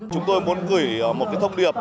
chúng tôi muốn gửi một thông điệp